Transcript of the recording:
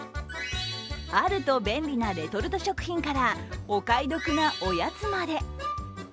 あると便利なレトルト食品からお買い得なおやつまで。